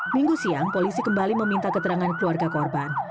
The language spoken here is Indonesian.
minggu siang polisi kembali meminta keterangan keluarga korban